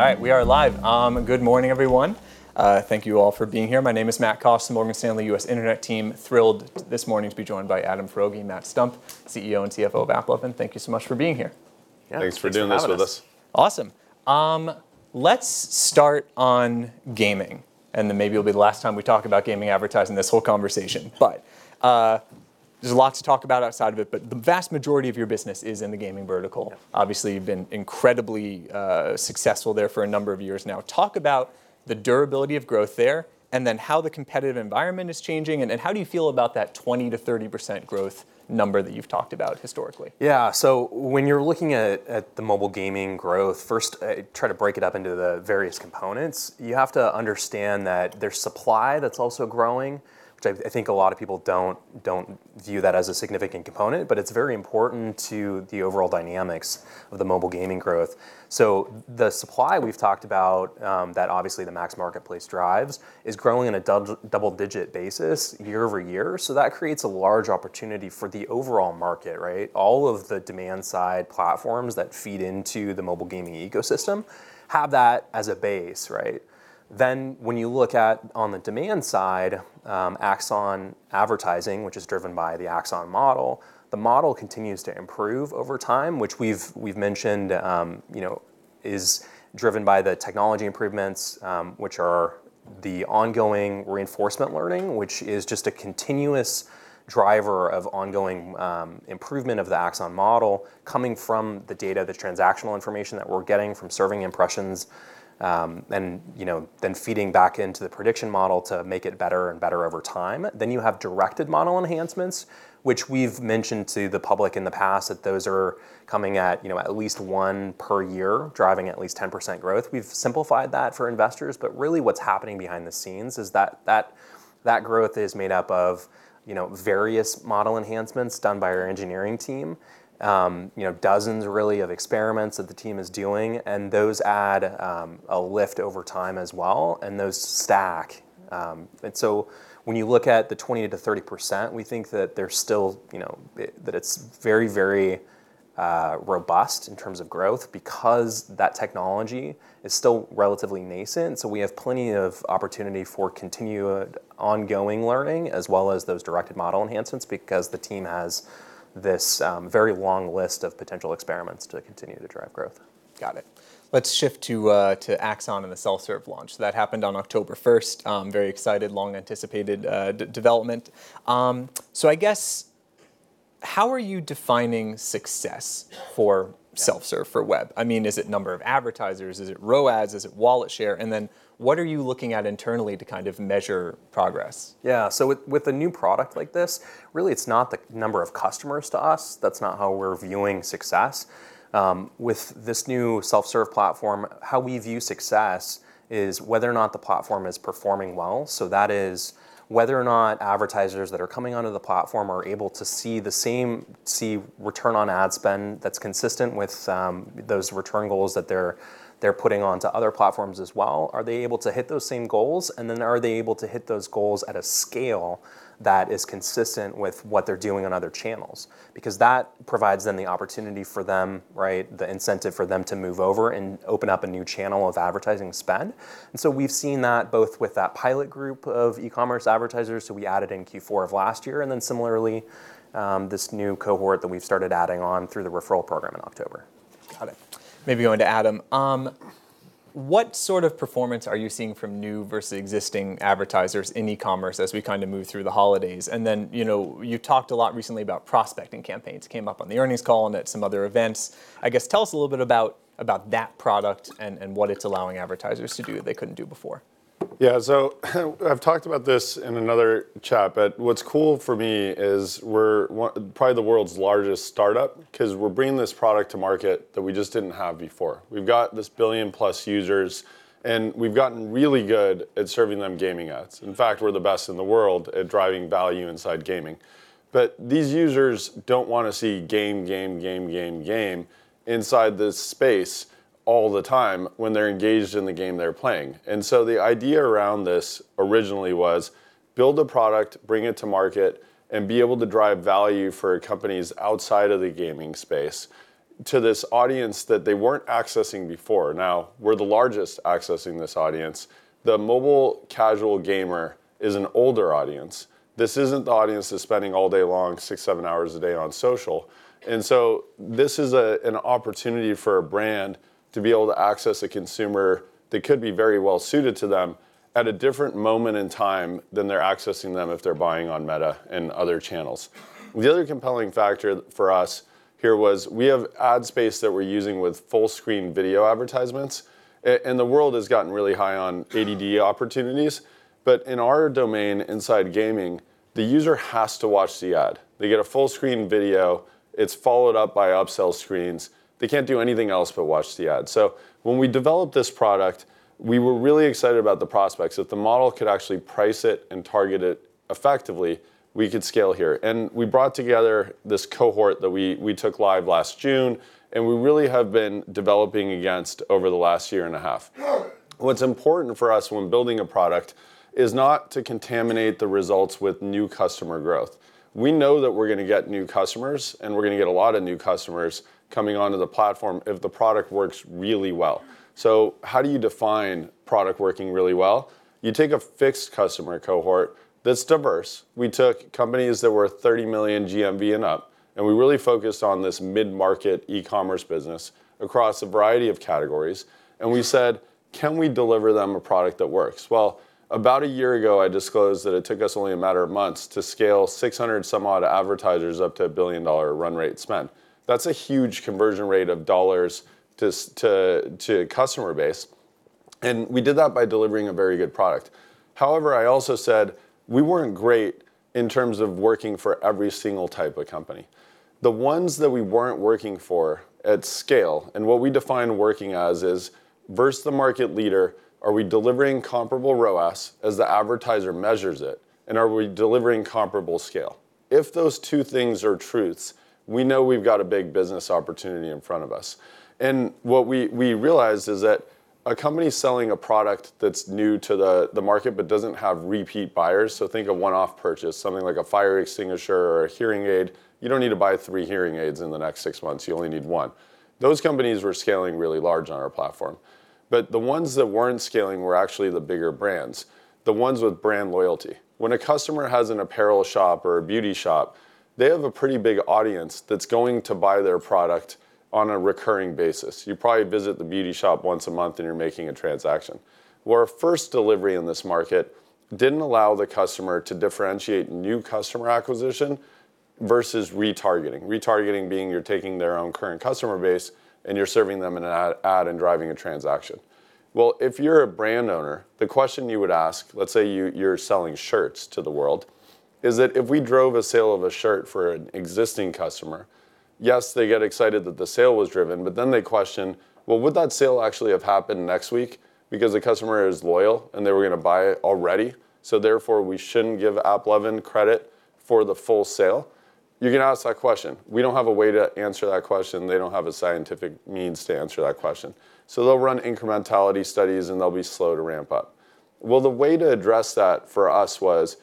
All right, we are live. Good morning, everyone. Thank you all for being here. My name is Matt Cost, Morgan Stanley U.S. Internet team. Thrilled this morning to be joined by Adam Foroughi, Matt Stumpf, CEO and CFO of AppLovin. Thank you so much for being here. Thanks for doing this with us. Awesome. Let's start on gaming. And then maybe it'll be the last time we talk about gaming advertising this whole conversation. But there's lots to talk about outside of it. But the vast majority of your business is in the gaming vertical. Obviously, you've been incredibly successful there for a number of years now. Talk about the durability of growth there, and then how the competitive environment is changing. And how do you feel about that 20%-30% growth number that you've talked about historically? Yeah, so when you're looking at the mobile gaming growth, first, try to break it up into the various components. You have to understand that there's supply that's also growing, which I think a lot of people don't view that as a significant component. But it's very important to the overall dynamics of the mobile gaming growth. So the supply we've talked about that obviously the MAX Marketplace drives is growing on a double-digit basis year over year. So that creates a large opportunity for the overall market, right? All of the demand-side platforms that feed into the mobile gaming ecosystem have that as a base, right? Then when you look at, on the demand side, Axon advertising, which is driven by the Axon model, the model continues to improve over time, which we've mentioned is driven by the technology improvements, which are the ongoing reinforcement learning, which is just a continuous driver of ongoing improvement of the Axon model coming from the data, the transactional information that we're getting from serving impressions, and then feeding back into the prediction model to make it better and better over time. Then you have directed model enhancements, which we've mentioned to the public in the past that those are coming at least one per year, driving at least 10% growth. We've simplified that for investors. But really what's happening behind the scenes is that that growth is made up of various model enhancements done by our engineering team, dozens really of experiments that the team is doing. And those add a lift over time as well. And those stack. And so when you look at the 20%-30%, we think that there's still that it's very, very robust in terms of growth because that technology is still relatively nascent. So we have plenty of opportunity for continued ongoing learning, as well as those directed model enhancements, because the team has this very long list of potential experiments to continue to drive growth. Got it. Let's shift to Axon and the self-serve launch. That happened on October 1. Very excited, long-anticipated development. So I guess, how are you defining success for self-serve, for web? I mean, is it number of advertisers? Is it ROAS? Is it wallet share? And then what are you looking at internally to kind of measure progress? Yeah, so with a new product like this, really it's not the number of customers to us. That's not how we're viewing success. With this new self-serve platform, how we view success is whether or not the platform is performing well. So that is whether or not advertisers that are coming onto the platform are able to see the same return on ad spend that's consistent with those return goals that they're putting onto other platforms as well. Are they able to hit those same goals? And then are they able to hit those goals at a scale that is consistent with what they're doing on other channels? Because that provides them the opportunity for them, the incentive for them to move over and open up a new channel of advertising spend. And so we've seen that both with that pilot group of e-commerce advertisers. So we added in Q4 of last year. And then similarly, this new cohort that we've started adding on through the referral program in October. Got it. Maybe going to Adam. What sort of performance are you seeing from new versus existing advertisers in e-commerce as we kind of move through the holidays? And then you talked a lot recently about prospecting campaigns. It came up on the earnings call and at some other events. I guess, tell us a little bit about that product and what it's allowing advertisers to do that they couldn't do before. Yeah, so I've talked about this in another chat. But what's cool for me is we're probably the world's largest startup because we're bringing this product to market that we just didn't have before. We've got this billion-plus users. And we've gotten really good at serving them gaming ads. In fact, we're the best in the world at driving value inside gaming. But these users don't want to see game, game, game, game, game inside this space all the time when they're engaged in the game they're playing. And so the idea around this originally was build a product, bring it to market, and be able to drive value for companies outside of the gaming space to this audience that they weren't accessing before. Now we're the largest accessing this audience. The mobile casual gamer is an older audience. This isn't the audience that's spending all day long, six, seven hours a day on social. And so this is an opportunity for a brand to be able to access a consumer that could be very well suited to them at a different moment in time than they're accessing them if they're buying on Meta and other channels. The other compelling factor for us here was we have ad space that we're using with full-screen video advertisements. And the world has gotten really high on ad opportunities. But in our domain inside gaming, the user has to watch the ad. They get a full-screen video. It's followed up by upsell screens. They can't do anything else but watch the ad. So when we developed this product, we were really excited about the prospects. If the model could actually price it and target it effectively, we could scale here. And we brought together this cohort that we took live last June. And we really have been developing against over the last year and a half. What's important for us when building a product is not to contaminate the results with new customer growth. We know that we're going to get new customers. And we're going to get a lot of new customers coming onto the platform if the product works really well. So how do you define product working really well? You take a fixed customer cohort that's diverse. We took companies that were 30 million GMV and up. And we really focused on this mid-market e-commerce business across a variety of categories. And we said, can we deliver them a product that works? About a year ago, I disclosed that it took us only a matter of months to scale 600 some odd advertisers up to a $1 billion run rate spend. That's a huge conversion rate of dollars to customer base. And we did that by delivering a very good product. However, I also said we weren't great in terms of working for every single type of company. The ones that we weren't working for at scale, and what we define working as is versus the market leader, are we delivering comparable ROAS as the advertiser measures it? And are we delivering comparable scale? If those two things are truths, we know we've got a big business opportunity in front of us. What we realized is that a company selling a product that's new to the market but doesn't have repeat buyers, so think of one-off purchase, something like a fire extinguisher or a hearing aid. You don't need to buy three hearing aids in the next six months. You only need one. Those companies were scaling really large on our platform. But the ones that weren't scaling were actually the bigger brands, the ones with brand loyalty. When a customer has an apparel shop or a beauty shop, they have a pretty big audience that's going to buy their product on a recurring basis. You probably visit the beauty shop once a month, and you're making a transaction. Where our first delivery in this market didn't allow the customer to differentiate new customer acquisition versus retargeting, retargeting being you're taking their own current customer base and you're serving them an ad and driving a transaction. Well, if you're a brand owner, the question you would ask, let's say you're selling shirts to the world, is that if we drove a sale of a shirt for an existing customer, yes, they get excited that the sale was driven. But then they question, well, would that sale actually have happened next week? Because the customer is loyal, and they were going to buy it already. So therefore, we shouldn't give AppLovin credit for the full sale. You're going to ask that question. We don't have a way to answer that question. They don't have a scientific means to answer that question. So they'll run incrementality studies, and they'll be slow to ramp up. Well, the way to address that for us was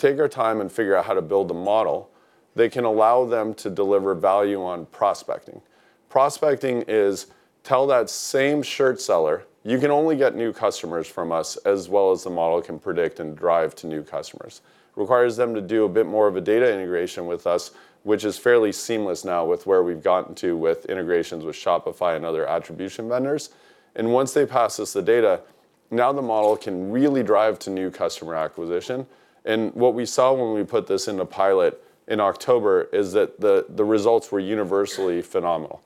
to take our time and figure out how to build a model that can allow them to deliver value on prospecting. Prospecting is to tell that same shirt seller you can only get new customers from us as well as the model can predict and drive to new customers. This requires them to do a bit more of a data integration with us, which is fairly seamless now with where we've gotten to with integrations with Shopify and other attribution vendors. And once they pass us the data, now the model can really drive to new customer acquisition. And what we saw when we put this into pilot in October is that the results were universally phenomenal.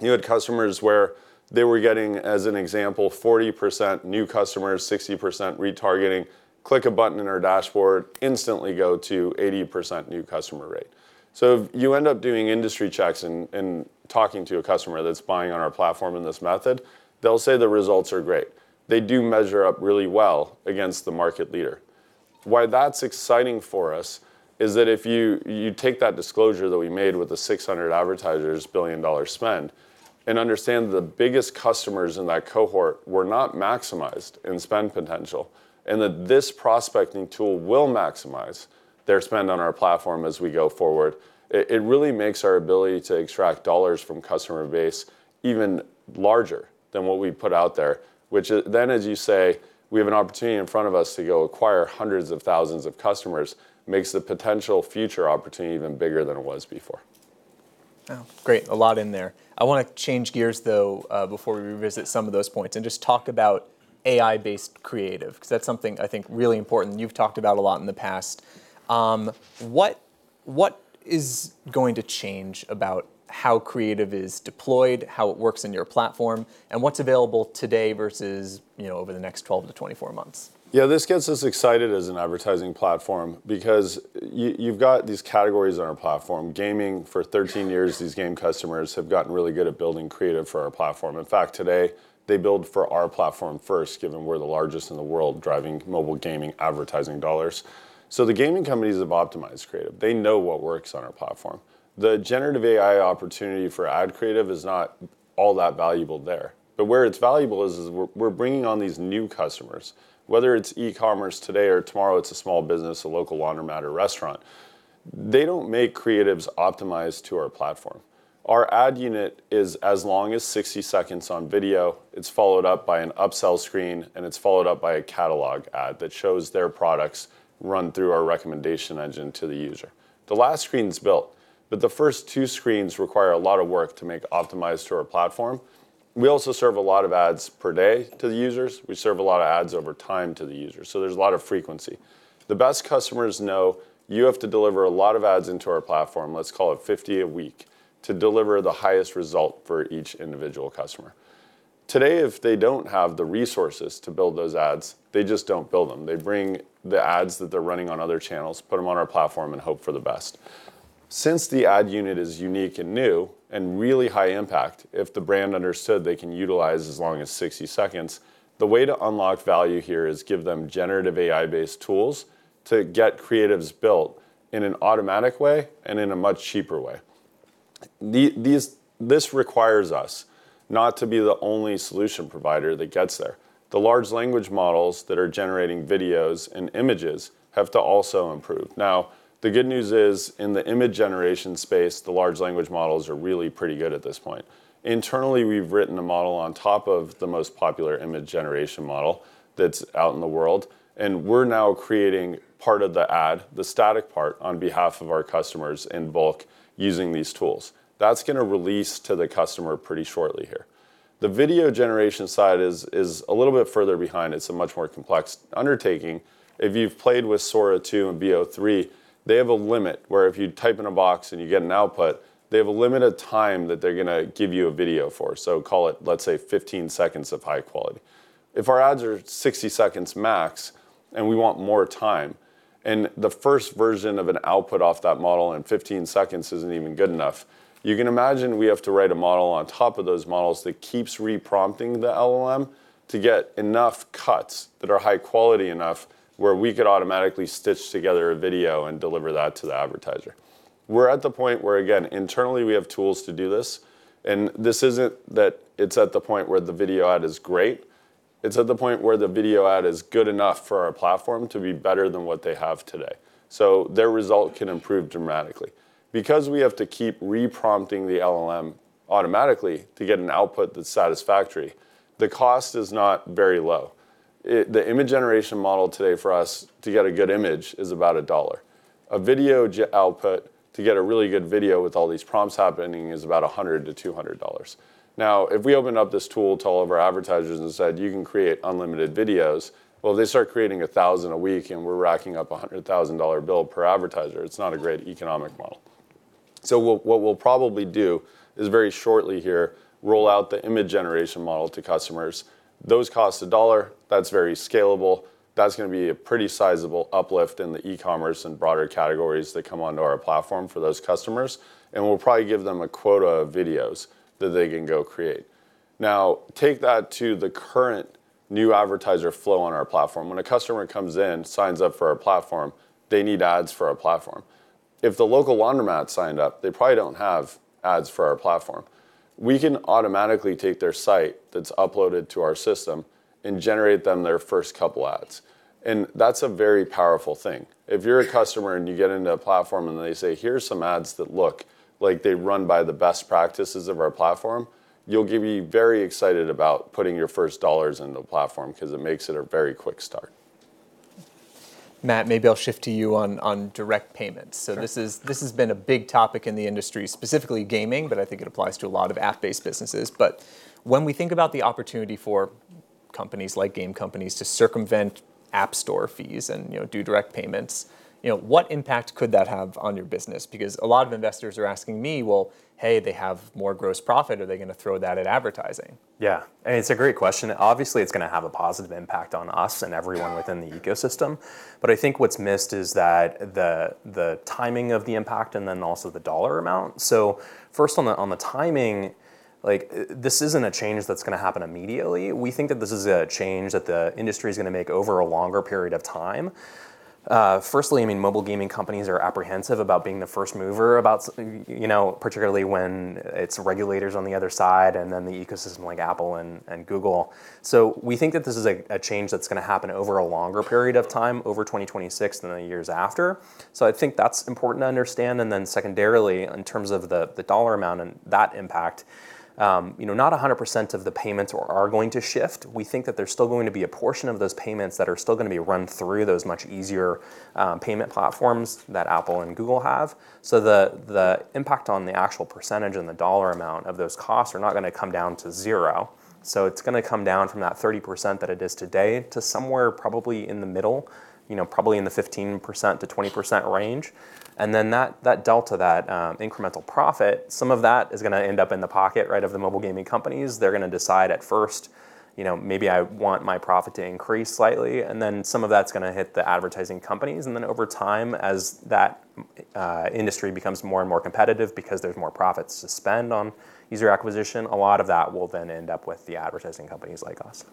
You had customers where they were getting, as an example, 40% new customers, 60% retargeting. Click a button in our dashboard, instantly go to 80% new customer rate. So if you end up doing industry checks and talking to a customer that's buying on our platform in this method, they'll say the results are great. They do measure up really well against the market leader. Why that's exciting for us is that if you take that disclosure that we made with the 600 advertisers, billion-dollar spend, and understand the biggest customers in that cohort were not maximized in spend potential, and that this prospecting tool will maximize their spend on our platform as we go forward, it really makes our ability to extract dollars from customer base even larger than what we put out there. Which then, as you say, we have an opportunity in front of us to go acquire hundreds of thousands of customers, makes the potential future opportunity even bigger than it was before. Great. A lot in there. I want to change gears, though, before we revisit some of those points and just talk about AI-based creative, because that's something I think really important. You've talked about a lot in the past. What is going to change about how creative is deployed, how it works in your platform, and what's available today versus over the next 12-24 months? Yeah, this gets us excited as an advertising platform because you've got these categories on our platform. Gaming, for 13 years, these game customers have gotten really good at building creative for our platform. In fact, today, they build for our platform first, given we're the largest in the world driving mobile gaming advertising dollars. So the gaming companies have optimized creative. They know what works on our platform. The Generative AI opportunity for ad creative is not all that valuable there. But where it's valuable is we're bringing on these new customers. Whether it's e-commerce today or tomorrow, it's a small business, a local laundromat, or restaurant, they don't make creatives optimized to our platform. Our ad unit is as long as 60 seconds on video. It's followed up by an upsell screen. And it's followed up by a catalog ad that shows their products run through our recommendation engine to the user. The last screen's built. But the first two screens require a lot of work to make optimized to our platform. We also serve a lot of ads per day to the users. We serve a lot of ads over time to the users. So there's a lot of frequency. The best customers know you have to deliver a lot of ads into our platform, let's call it 50 a week, to deliver the highest result for each individual customer. Today, if they don't have the resources to build those ads, they just don't build them. They bring the ads that they're running on other channels, put them on our platform, and hope for the best. Since the ad unit is unique and new and really high impact, if the brand understood they can utilize as long as 60 seconds, the way to unlock value here is give them generative AI-based tools to get creatives built in an automatic way and in a much cheaper way. This requires us not to be the only solution provider that gets there. The large language models that are generating videos and images have to also improve. Now, the good news is in the image generation space, the large language models are really pretty good at this point. Internally, we've written a model on top of the most popular image generation model that's out in the world. And we're now creating part of the ad, the static part, on behalf of our customers in bulk using these tools. That's going to release to the customer pretty shortly here. The video generation side is a little bit further behind. It's a much more complex undertaking. If you've played with Sora 2 and Veo 3, they have a limit where if you type in a box and you get an output, they have a limited time that they're going to give you a video for. So call it, let's say, 15 seconds of high quality. If our ads are 60 seconds max and we want more time, and the first version of an output off that model in 15 seconds isn't even good enough, you can imagine we have to write a model on top of those models that keeps re-prompting the LLM to get enough cuts that are high quality enough where we could automatically stitch together a video and deliver that to the advertiser. We're at the point where, again, internally, we have tools to do this. and this isn't that it's at the point where the video ad is great. It's at the point where the video ad is good enough for our platform to be better than what they have today. So their result can improve dramatically. Because we have to keep reprompting the LLM automatically to get an output that's satisfactory, the cost is not very low. The image generation model today for us to get a good image is about $1. A video output to get a really good video with all these prompts happening is about $100-$200. Now, if we opened up this tool to all of our advertisers and said, you can create unlimited videos, well, they start creating 1,000 a week, and we're racking up a $100,000 bill per advertiser. It's not a great economic model. So what we'll probably do is very shortly here roll out the image generation model to customers. Those cost $1. That's very scalable. That's going to be a pretty sizable uplift in the e-commerce and broader categories that come onto our platform for those customers. And we'll probably give them a quota of videos that they can go create. Now, take that to the current new advertiser flow on our platform. When a customer comes in, signs up for our platform, they need ads for our platform. If the local laundromat signed up, they probably don't have ads for our platform. We can automatically take their site that's uploaded to our system and generate them their first couple of ads. And that's a very powerful thing. If you're a customer and you get into a platform and they say, here's some ads that look like they run by the best practices of our platform, you'll be very excited about putting your first dollars into the platform because it makes it a very quick start. Matt, maybe I'll shift to you on direct payments, so this has been a big topic in the industry, specifically gaming, but I think it applies to a lot of app-based businesses, but when we think about the opportunity for companies like game companies to circumvent App Store fees and do direct payments, what impact could that have on your business? Because a lot of investors are asking me, well, hey, they have more gross profit. Are they going to throw that at advertising? Yeah. And it's a great question. Obviously, it's going to have a positive impact on us and everyone within the ecosystem. But I think what's missed is the timing of the impact and then also the dollar amount. So first, on the timing, this isn't a change that's going to happen immediately. We think that this is a change that the industry is going to make over a longer period of time. Firstly, I mean, mobile gaming companies are apprehensive about being the first mover about particularly when it's regulators on the other side and then the ecosystem like Apple and Google. So we think that this is a change that's going to happen over a longer period of time, over 2026 and the years after. So I think that's important to understand. And then secondarily, in terms of the dollar amount and that impact, not 100% of the payments are going to shift. We think that there's still going to be a portion of those payments that are still going to be run through those much easier payment platforms that Apple and Google have. So the impact on the actual percentage and the dollar amount of those costs are not going to come down to zero. So it's going to come down from that 30% that it is today to somewhere probably in the middle, probably in the 15%-20% range. And then that delta, that incremental profit, some of that is going to end up in the pocket of the mobile gaming companies. They're going to decide at first, maybe I want my profit to increase slightly. And then some of that's going to hit the advertising companies. And then over time, as that industry becomes more and more competitive because there's more profits to spend on user acquisition, a lot of that will then end up with the advertising companies like us.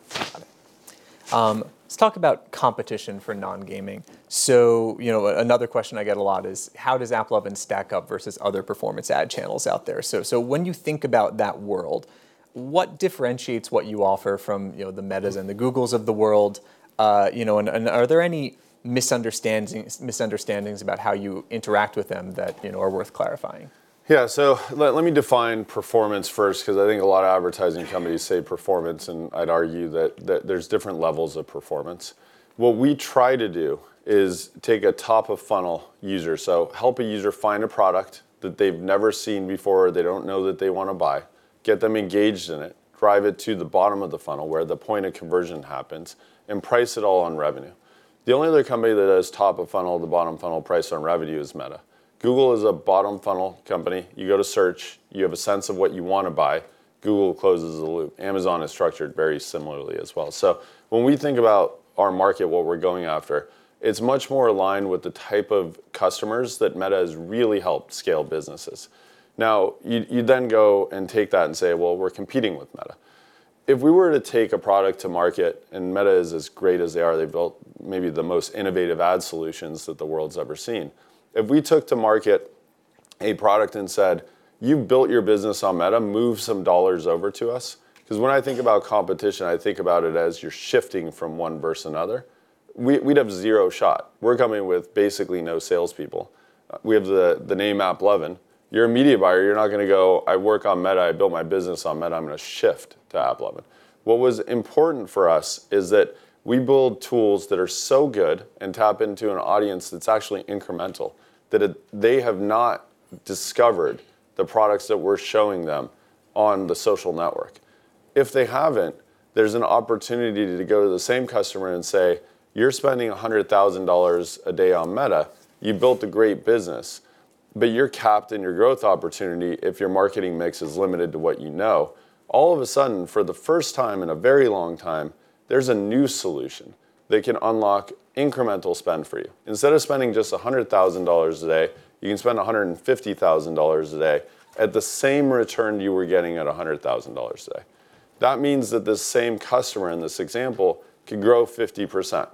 Let's talk about competition for non-gaming. So another question I get a lot is, how does AppLovin stack up versus other performance ad channels out there? So when you think about that world, what differentiates what you offer from the Metas and the Googles of the world? And are there any misunderstandings about how you interact with them that are worth clarifying? Yeah. So let me define performance first, because I think a lot of advertising companies say performance. And I'd argue that there's different levels of performance. What we try to do is take a top-of-funnel user, so help a user find a product that they've never seen before, or they don't know that they want to buy, get them engaged in it, drive it to the bottom of the funnel where the point of conversion happens, and price it all on revenue. The only other company that has top-of-funnel, the bottom-funnel price on revenue is Meta. Google is a bottom-funnel company. You go to search, you have a sense of what you want to buy. Google closes the loop. Amazon is structured very similarly as well. So when we think about our market, what we're going after, it's much more aligned with the type of customers that Meta has really helped scale businesses. Now, you then go and take that and say, well, we're competing with Meta. If we were to take a product to market, and Meta is as great as they are, they've built maybe the most innovative ad solutions that the world's ever seen. If we took to market a product and said, you've built your business on Meta, move some dollars over to us, because when I think about competition, I think about it as you're shifting from one versus another, we'd have zero shot. We're coming with basically no salespeople. We have the name AppLovin. You're a media buyer. You're not going to go, I work on Meta. I built my business on Meta. I'm going to shift to AppLovin. What was important for us is that we build tools that are so good and tap into an audience that's actually incremental, that they have not discovered the products that we're showing them on the social network. If they haven't, there's an opportunity to go to the same customer and say, you're spending $100,000 a day on Meta. You built a great business, but you're capped in your growth opportunity if your marketing mix is limited to what you know. All of a sudden, for the first time in a very long time, there's a new solution that can unlock incremental spend for you. Instead of spending just $100,000 a day, you can spend $150,000 a day at the same return you were getting at $100,000 a day. That means that this same customer in this example can grow 50%.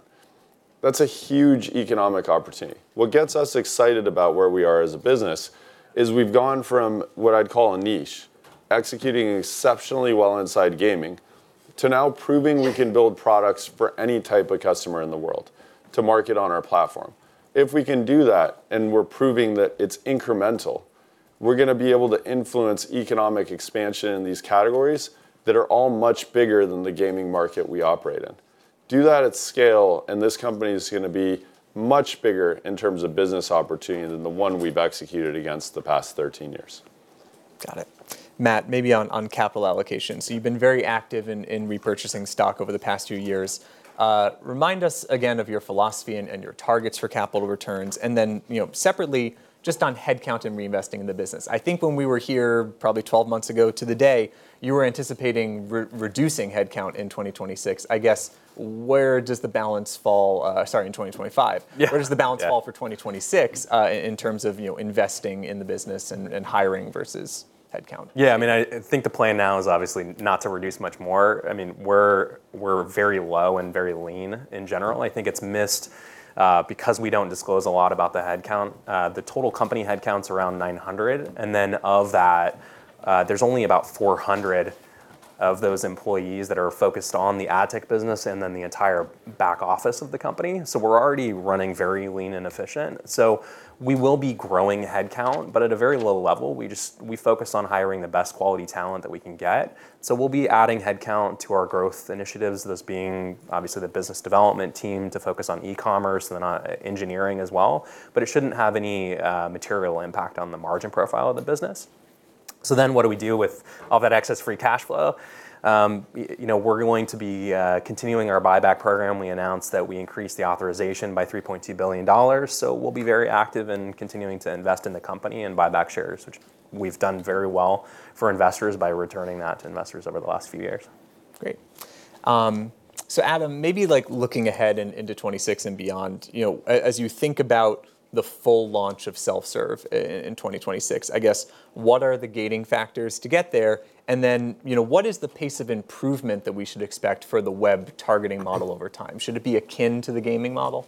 That's a huge economic opportunity. What gets us excited about where we are as a business is we've gone from what I'd call a niche, executing exceptionally well inside gaming, to now proving we can build products for any type of customer in the world to market on our platform. If we can do that and we're proving that it's incremental, we're going to be able to influence economic expansion in these categories that are all much bigger than the gaming market we operate in. Do that at scale, and this company is going to be much bigger in terms of business opportunity than the one we've executed against the past 13 years. Got it. Matt, maybe on capital allocation. So you've been very active in repurchasing stock over the past few years. Remind us again of your philosophy and your targets for capital returns. And then separately, just on headcount and reinvesting in the business. I think when we were here probably 12 months ago to the day, you were anticipating reducing headcount in 2026. I guess where does the balance fall? Sorry, in 2025. Where does the balance fall for 2026 in terms of investing in the business and hiring versus headcount? Yeah. I mean, I think the plan now is obviously not to reduce much more. I mean, we're very low and very lean in general. I think it's missed because we don't disclose a lot about the headcount. The total company headcount's around 900, and then of that, there's only about 400 of those employees that are focused on the ad tech business and then the entire back office of the company, so we're already running very lean and efficient, so we will be growing headcount, but at a very low level. We focus on hiring the best quality talent that we can get, so we'll be adding headcount to our growth initiatives, those being obviously the business development team to focus on e-commerce and then engineering as well, but it shouldn't have any material impact on the margin profile of the business. So then what do we do with all that excess free cash flow? We're going to be continuing our buyback program. We announced that we increased the authorization by $3.2 billion. So we'll be very active in continuing to invest in the company and buy back shares, which we've done very well for investors by returning that to investors over the last few years. Great. So Adam, maybe looking ahead into 2026 and beyond, as you think about the full launch of self-serve in 2026, I guess, what are the gating factors to get there? And then what is the pace of improvement that we should expect for the web targeting model over time? Should it be akin to the gaming model?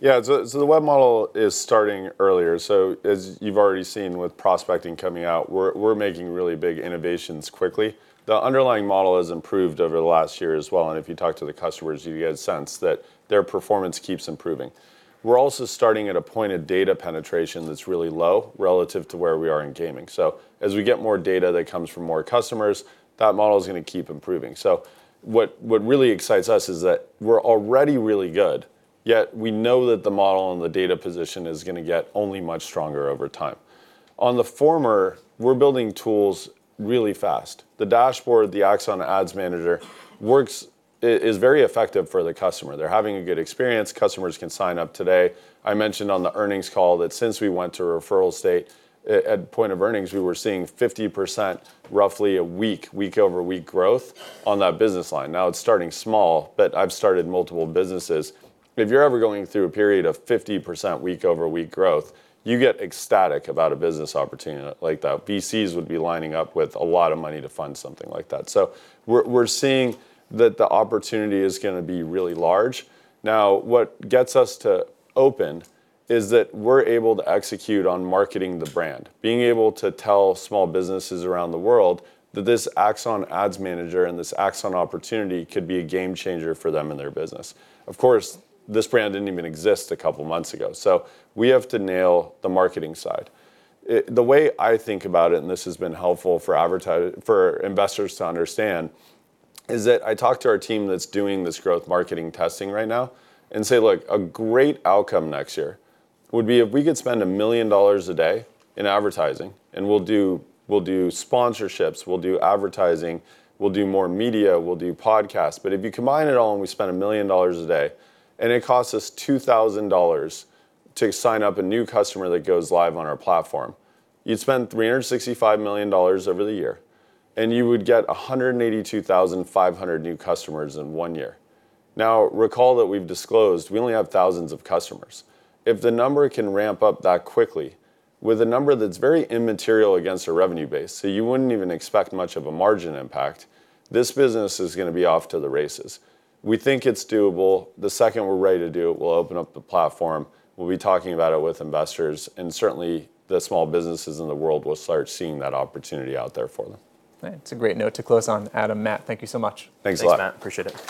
Yeah. So the web model is starting earlier. So as you've already seen with prospecting coming out, we're making really big innovations quickly. The underlying model has improved over the last year as well. And if you talk to the customers, you get a sense that their performance keeps improving. We're also starting at a point of data penetration that's really low relative to where we are in gaming. So as we get more data that comes from more customers, that model is going to keep improving. So what really excites us is that we're already really good, yet we know that the model and the data position is going to get only much stronger over time. On the former, we're building tools really fast. The dashboard, the Axon Ads Manager, is very effective for the customer. They're having a good experience. Customers can sign up today. I mentioned on the earnings call that since we went to referral state at point of earnings, we were seeing 50% roughly a week, week-over-week growth on that business line. Now it's starting small, but I've started multiple businesses. If you're ever going through a period of 50% week-over-week growth, you get ecstatic about a business opportunity like that. VCs would be lining up with a lot of money to fund something like that. So we're seeing that the opportunity is going to be really large. Now, what gets us to open is that we're able to execute on marketing the brand, being able to tell small businesses around the world that this Axon Ads Manager and this Axon opportunity could be a game changer for them and their business. Of course, this brand didn't even exist a couple of months ago. So we have to nail the marketing side. The way I think about it, and this has been helpful for investors to understand, is that I talk to our team that's doing this growth marketing testing right now and say, look, a great outcome next year would be if we could spend $1 million a day in advertising, and we'll do sponsorships, we'll do advertising, we'll do more media, we'll do podcasts, but if you combine it all and we spend $1 million a day, and it costs us $2,000 to sign up a new customer that goes live on our platform, you'd spend $365 million over the year, and you would get 182,500 new customers in one year. Now, recall that we've disclosed we only have thousands of customers. If the number can ramp up that quickly with a number that's very immaterial against a revenue base, so you wouldn't even expect much of a margin impact, this business is going to be off to the races. We think it's doable. The second we're ready to do it, we'll open up the platform. We'll be talking about it with investors. And certainly, the small businesses in the world will start seeing that opportunity out there for them. That's a great note to close on. Adam, Matt, thank you so much. Thanks a lot. Thanks, Matt. Appreciate it.